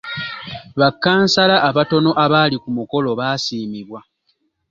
Ba kkansala abatono abaali ku mukolo baasiimibwa.